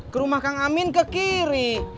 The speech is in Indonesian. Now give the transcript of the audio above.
ke rumah kang amin ke kiri